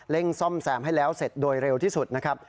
ซ่อมแซมให้แล้วเสร็จโดยเร็วที่สุดนะครับ